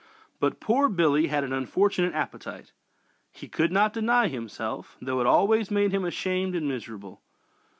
But "poor Billy" had an unfortunate appetite. He could not deny himself, though it always made him ashamed and miserable.